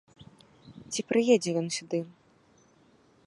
Ці прыедзе ён сюды?